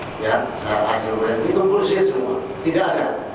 dia dibawa ke sawal lunto untuk menemui kapten a itu full set semua tidak ada